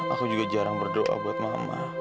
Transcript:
aku juga jarang berdoa buat mama